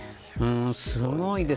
すごいです。